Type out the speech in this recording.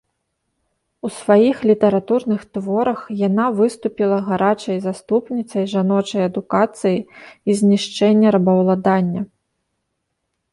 У сваіх літаратурных творах яна выступіла гарачай заступніцай жаночай адукацыі і знішчэння рабаўладання.